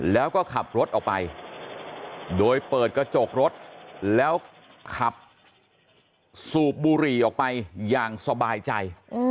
แล้วก็ขับรถออกไปโดยเปิดกระจกรถแล้วขับสูบบุหรี่ออกไปอย่างสบายใจ